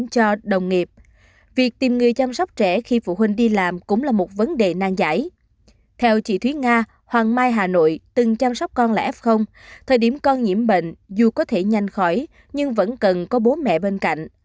con là f thời điểm con nhiễm bệnh dù có thể nhanh khỏi nhưng vẫn cần có bố mẹ bên cạnh